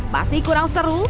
masih kurang seru